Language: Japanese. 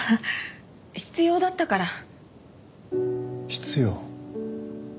必要？